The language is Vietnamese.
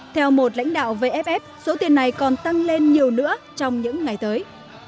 theo một lãnh đạo vff số tiền này còn tăng lên nhiều nữa trong những ngày tới